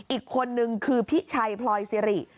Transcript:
อีกคนนึงคือพิชัยพลอยซิริ